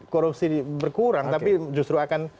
korupsi berkurang tapi justru akan